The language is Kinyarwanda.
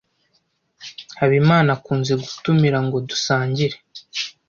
Habimana akunze gutumira ngo dusangire.